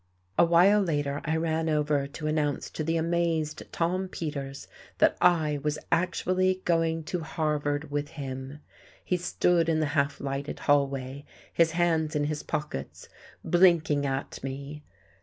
A while later I ran over to announce to the amazed Tom Peters that I was actually going to Harvard with him. He stood in the half lighted hallway, his hands in his pockets, blinking at me.